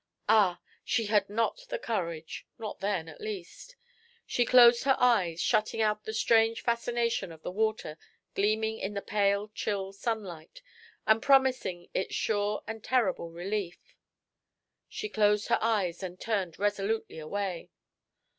Ah, she had not the courage! not then, at least. She closed her eyes, shutting out the strange fascination of the water gleaming in the pale chill sunlight, and promising its sure and terrible relief she closed her eyes and turned resolutely away.